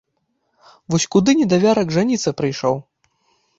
Вось куды, недавярак, жаніцца прыйшоў!